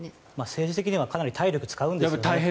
政治的にはかなり体力を使うんですよね。